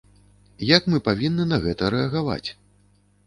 Як мы павінны на гэта рэагаваць?